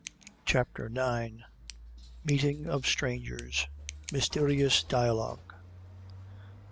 CHAPTER IX. Meeting of Strangers Mysterious Dialogue.